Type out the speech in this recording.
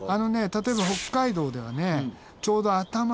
例えば北海道ではちょうど頭のね